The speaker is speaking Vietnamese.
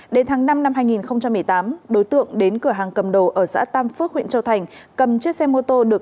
đến tháng năm năm hai nghìn một mươi tám đối tượng đến cửa hàng cầm đồ ở xã tam phước huyện châu thành cầm chiếc xe mô tô